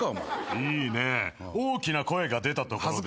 いいね大きな声が出たところで。